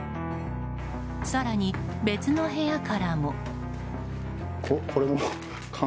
更に、別の部屋からも。